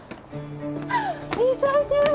久しぶり！